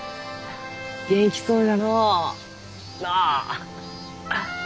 元気そうじゃのう。のう？